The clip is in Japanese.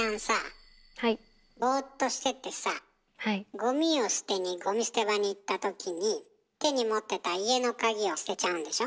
ゴミを捨てにゴミ捨て場に行ったときに手に持ってた家のカギを捨てちゃうんでしょ？